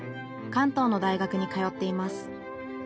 関東の大学に通っています。